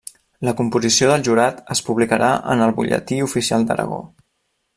La composició del jurat es publicarà en el Butlletí Oficial d'Aragó.